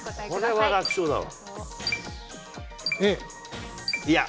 これは楽勝だわ。